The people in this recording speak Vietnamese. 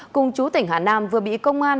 cùng chú tỉnh hà nam vừa bị công an